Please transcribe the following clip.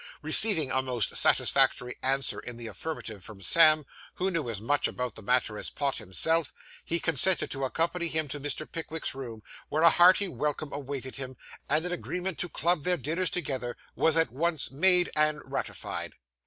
Receiving a most satisfactory answer in the affirmative from Sam, who knew as much about the matter as Pott himself, he consented to accompany him to Mr. Pickwick's room, where a hearty welcome awaited him, and an agreement to club their dinners together was at once made and ratified.